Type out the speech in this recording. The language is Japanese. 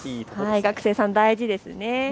学生さん、大事ですね。